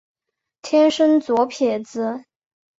天生左撇子。